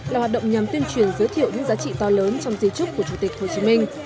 là hoạt động nhằm tuyên truyền giới thiệu những giá trị to lớn trong di trúc của chủ tịch hồ chí minh